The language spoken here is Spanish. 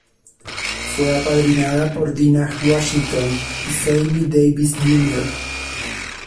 Fue apadrinada por Dinah Washington y Sammy Davis Jr.